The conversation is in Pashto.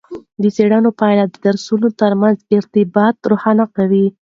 د څیړنو پایلې د درس ترمنځ ارتباطات روښانه کوي.